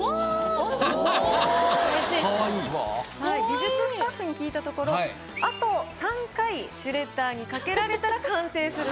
美術スタッフに聞いたところあと３回シュレッダーにかけられたら完成するそうです。